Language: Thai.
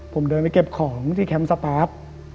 ผมเดินไปเก็บของที่แคมป์สปาร์ท